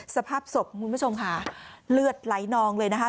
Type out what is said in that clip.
สภาพศพคุณผู้ชมค่ะเลือดไหลนองเลยนะคะ